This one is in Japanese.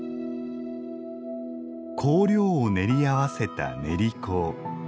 香料をねりあわせた「練香」。